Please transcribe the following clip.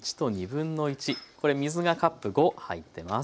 これ水がカップ５入ってます。